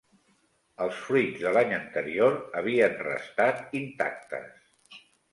Els fruits de l'any anterior havien restat intactes.